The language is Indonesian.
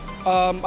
ada perubahan juga